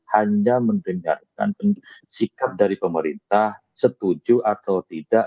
hanya mendengarkan sikap dari pemerintah setuju atau tidak